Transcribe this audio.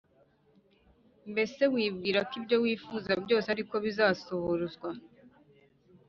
mbese wibwirako ibyo wifuza byose ariko bizasohozwa